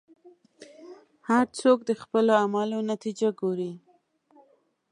هر څوک د خپلو اعمالو نتیجه ګوري.